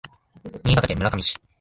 新潟県村上市